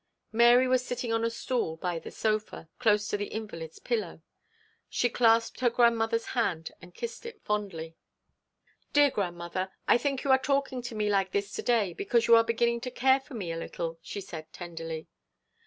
Mary was sitting on a stool by the sofa, close to the invalid's pillow. She clasped her grandmother's hand and kissed it fondly. 'Dear grandmother, I think you are talking to me like this to day because you are beginning to care for me a little,' she said, tenderly.